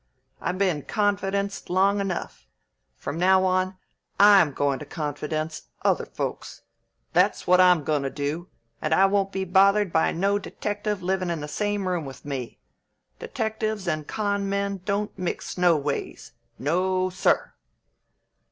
I been confidenced long enough; from now on I'm goin' to confidence other folks. That's what I'm goin' to do; and I won't be bothered by no detective livin' in the same room with me. Detectives and con' men don't mix noways! No, sir!"